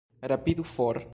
Rapidu, for!